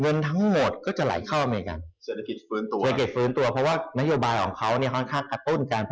เงินทั้งหมดก็จะไหลเข้าอเมริกา